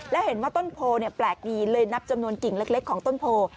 และเห็นว่าต้นโพแปลกดีเลยนับจำนวนกิ่งเล็กของต้นโพ